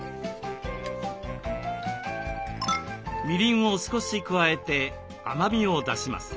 みりんを少し加えて甘みを出します。